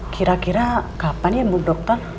kira kira kapan ya bu dokter